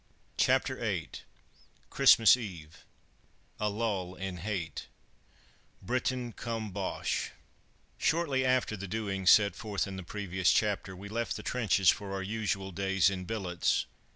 CHAPTER VIII CHRISTMAS EVE A LULL IN HATE BRITON CUM BOCHE Shortly after the doings set forth in the previous chapter we left the trenches for our usual days in billets.